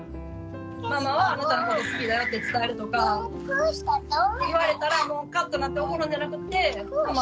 ママはあなたのこと好きだよって伝えるとか言われたらカッとなって怒るんじゃなくってママ